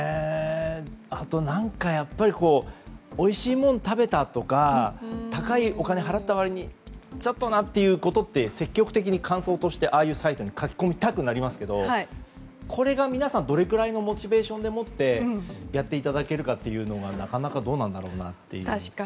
あとやっぱりおいしいものを食べたり高いお金を払った割にちょっとなってことは積極的に感想としてああいうサイトに書き込みたくなりますけどこれが皆さんどれくらいのモチベーションでやっていただけるかというのはなかなかどうなんだろうなと。